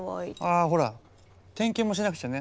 あほら点検もしなくちゃね。